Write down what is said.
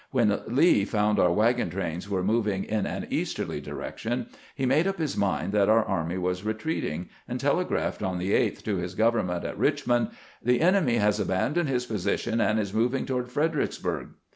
When Lee found our wagon trains were moving in an easterly direction, he made up his mind that our army was retreating, and telegraphed on the 8th to his government at Richmond :" The enemy has abandoned his position, and is moving toward Fredericksburg."